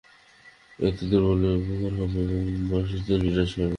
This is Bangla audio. এতে দুর্বলদের উপকার হবে এবং বলশালীরা নিরাশ হবে।